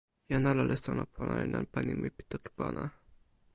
jan ala li sona pona e nanpa nimi pi toki pona.